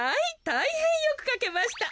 たいへんよくかけました。